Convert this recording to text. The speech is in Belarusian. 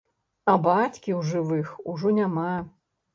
А бацькі ў жывых ужо няма.